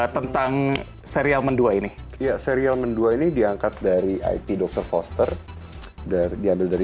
tentang serial mentua ini ya serial mentua ini diangkat dari ip dokter foster dari diambil dari